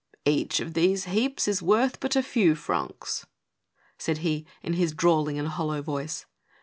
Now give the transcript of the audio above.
" Each of these heaps is worth but a few francs," said he, in his drawling and hollow voice.